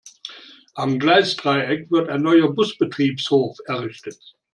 Am Gleisdreieck wird ein neuer Busbetriebshof errichtet.